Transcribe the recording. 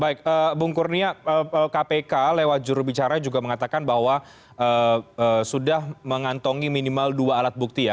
baik bung kurnia kpk lewat jurubicara juga mengatakan bahwa sudah mengantongi minimal dua alat bukti ya